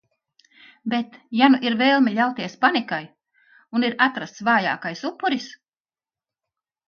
Bet, ja nu ir vēlme ļauties panikai... un ir atrasts vājākais upuris...